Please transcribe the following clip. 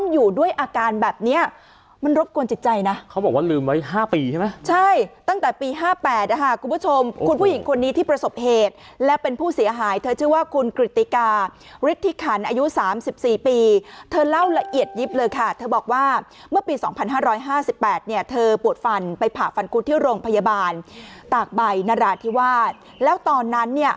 อยู่ด้วยอาการแบบเนี้ยมันรบกวนจิตใจนะเขาบอกว่าลืมไว้๕ปีใช่ไหมใช่ตั้งแต่ปี๕๘นะคะคุณผู้ชมคุณผู้หญิงคนนี้ที่ประสบเหตุและเป็นผู้เสียหายเธอชื่อว่าคุณกริติการิทธิขันอายุ๓๔ปีเธอเล่าละเอียดยิบเลยค่ะเธอบอกว่าเมื่อปี๒๕๕๘เนี่ยเธอปวดฟันไปผ่าฟันคุดที่โรงพยาบาลตากใบนราธิวาสแล้วตอนนั้นเนี่ย